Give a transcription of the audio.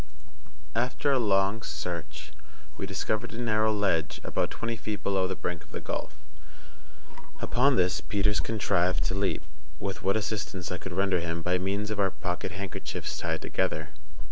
After a long search we discovered a narrow ledge about twenty feet below the brink of the gulf; upon this Peters contrived to leap, with what assistance I could render him by means of our pocket handkerchiefs tied together.